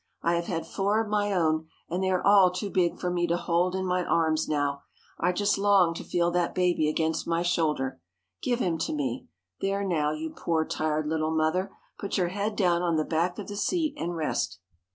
I have had four of my own, and they are all too big for me to hold in my arms now. I just long to feel that baby against my shoulder! Give him to me! There, now! you poor, tired little mother, put your head down on the back of the seat, and rest!"